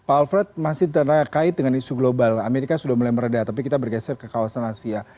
pak alfred masih terkait dengan isu global amerika sudah mulai meredah tapi kita bergeser ke kawasan asia